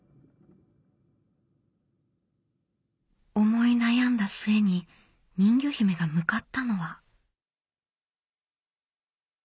思い悩んだ末に人魚姫が向かったのは。